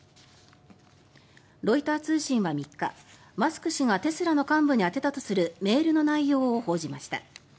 ロイター通信は３日、マスク氏がテスラの幹部に宛てたとするメールの内容を報じました。